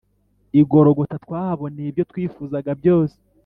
igorogota twahaboneye ibyo twifuzaga byose